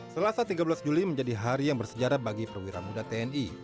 selasa tiga belas juli menjadi hari yang bersejarah bagi perwira muda tni